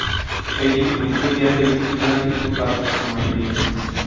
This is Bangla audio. এ দিনটি বৌদ্ধ ইতিহাসে একটি ঐতিহাসিক ও তাৎপর্যময় দিন।